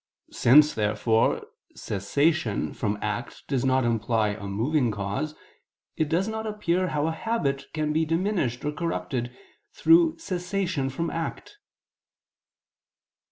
Since therefore cessation from act does not imply a moving cause, it does not appear how a habit can be diminished or corrupted through cessation from act.